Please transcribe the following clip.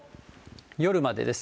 夜までです。